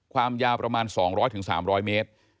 ความยาวประมาณ๒๐๐๓๐๐เมตร